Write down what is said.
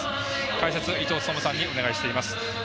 解説は伊東勤さんにお願いしています。